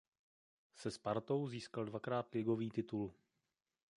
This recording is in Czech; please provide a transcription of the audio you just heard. Se Spartou získal dvakrát ligový titul.